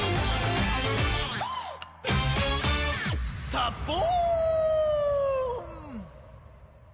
「サボーン！」